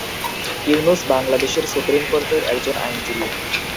ইউনুস বাংলাদেশের সুপ্রিম কোর্টের একজন আইনজীবী।